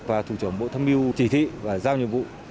và thủ trưởng bộ tham mưu chỉ thị và giao nhiệm vụ